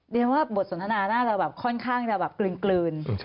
เรียนว่าบทสนทนาน่าจะแบบค่อนข้างจะแบบกลืน